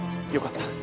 よかった。